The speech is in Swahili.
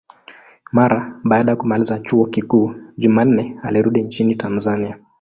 Mara baada ya kumaliza chuo kikuu, Jumanne alirudi nchini Tanzania.